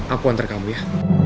aku antar kamu ya